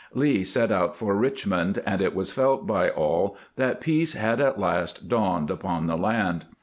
Lee set out for Richmond, and it was felt by all that peace had at last dawned upon the land.